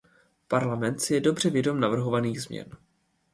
Parlament si je dobře vědom navrhovaných změn.